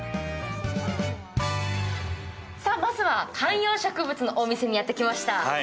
まずは、観葉植物のお店にやってきました。